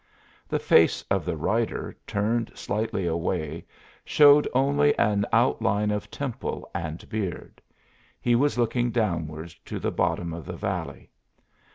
The face of the rider, turned slightly away, showed only an outline of temple and beard; he was looking downward to the bottom of the valley.